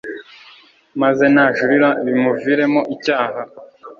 maze najurira bimuviremo icyaha